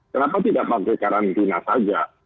kenapa tidak pakai karantina saja